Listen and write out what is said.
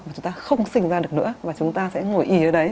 và chúng ta không sinh ra được nữa và chúng ta sẽ ngồi ý ở đấy